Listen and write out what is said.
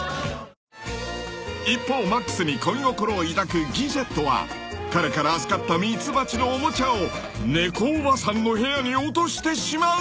［一方マックスに恋心を抱くギジェットは彼から預かったミツバチのおもちゃを猫おばさんの部屋に落としてしまう］